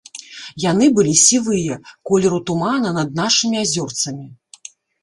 Яны былі сівыя, колеру тумана над нашымі азёрцамі.